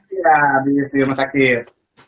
iya habis di rumah sakit